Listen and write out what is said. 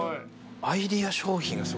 アイデア商品がすごいですね。